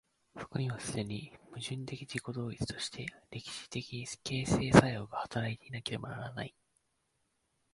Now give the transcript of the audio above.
そこには既に矛盾的自己同一として歴史的形成作用が働いていなければならない。